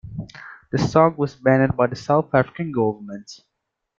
The song was banned by the South African government.